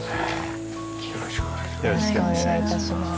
よろしくお願いします。